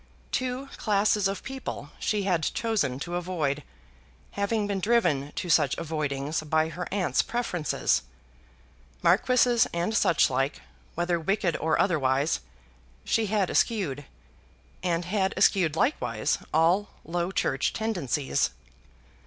Two classes of people she had chosen to avoid, having been driven to such avoidings by her aunt's preferences; marquises and such like, whether wicked or otherwise, she had eschewed, and had eschewed likewise all Low Church tendencies.